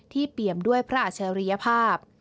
ที่เปี่ยมด้วยพระอาชารีภาพ